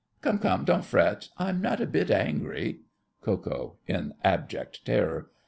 Come, come, don't fret—I'm not a bit angry. KO. (in abject terror).